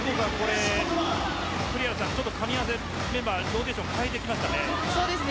栗原さん、かみ合わせメンバーローテーション変えてきましたね。